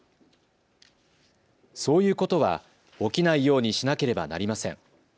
そういうことはおきないようにしなければなりません。